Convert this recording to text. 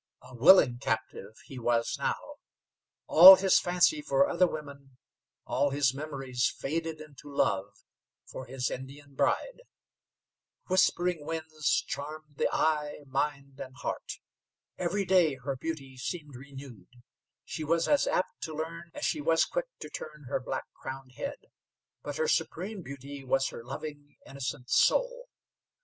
A willing captive he was now. All his fancy for other women, all his memories faded into love for his Indian bride. Whispering Winds charmed the eye, mind, and heart. Every day her beauty seemed renewed. She was as apt to learn as she was quick to turn her black crowned head, but her supreme beauty was her loving, innocent soul.